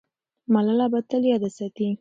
ملاله به تل یاده سي.